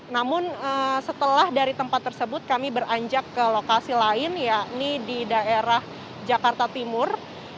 namun setelah dari tempat tersebut kami beranjak ke lokasi lain yakni di daerah jakarta timur